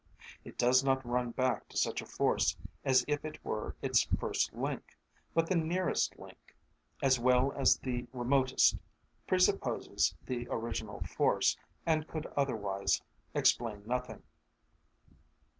It does not run back to such a force as if it were its first link, but the nearest link, as well as the remotest, presupposes the original force, and could otherwise explain nothing.